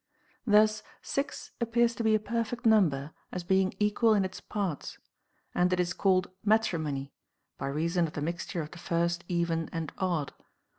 Thus six appears to be a perfect number, as being equal in its parts ; and it is called matrimony, by reason of the mixture of the first even and odd.